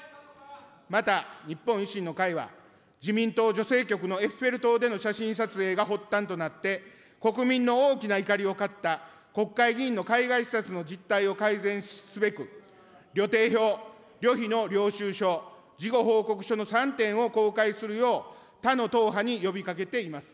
また日本維新の会は、自民党女性局のエッフェル塔での写真撮影が発端となって、国民の大きな怒りを買った国会議員の海外視察の実態を改善すべく、旅程表、旅費の領収証、事後報告書の３点を公開するよう、他の党派に呼びかけています。